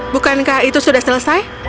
bukankah itu sudah selesai